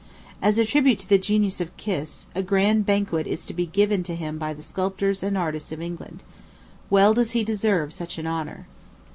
As a tribute to the genius of Kiss, a grand banquet is to be given to him by the sculptors and artists of England. Well does he deserve such an honor.